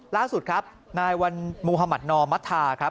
ล่าสุดครับนายวันมุธมัธนอมัธาครับ